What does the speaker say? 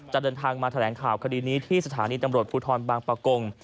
เดินทางมาแถลงข่าวคดีนี้ที่สถานีตำรวจภูทรบางประกง